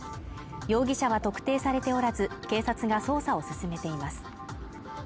容疑者は特定されておらず、警察が捜査を進めています。